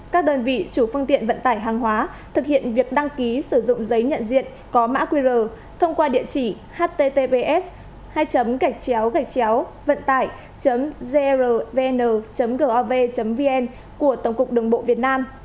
các đơn vị chủ phương tiện vận tải hàng hóa thực hiện việc đăng ký sử dụng giấy nhận diện có mã qr thông qua địa chỉ https vận tải grvn gov vn của tổng cục đồng bộ việt nam